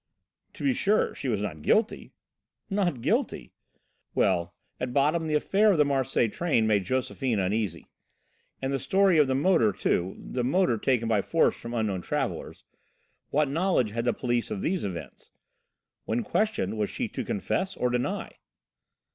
To be sure, she was not guilty. Not guilty? Well, at bottom the affair of the Marseilles train made Josephine uneasy. And the story of the motor, too, the motor taken by force from unknown travellers. What knowledge had the police of these events? When questioned, was she to confess or deny?